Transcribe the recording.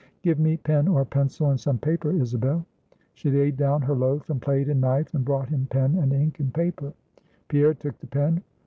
"Give me pen or pencil, and some paper, Isabel." She laid down her loaf, and plate, and knife, and brought him pen, and ink, and paper. Pierre took the pen.